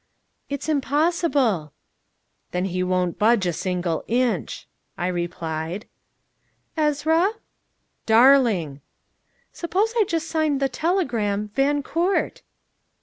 "It's impossible." "Then he won't budge a single inch!" I replied. "Ezra?" "Darling!" "Suppose I just signed the telegram Van Coort?"